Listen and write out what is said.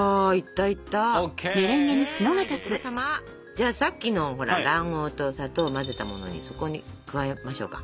じゃあさっきのほら卵黄と砂糖を混ぜたものにそこに加えましょうか。